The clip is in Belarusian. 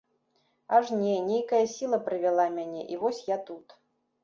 Аж не, нейкая сіла прывяла мяне, і вось я тут.